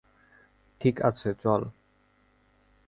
ঠিক আছে, চল।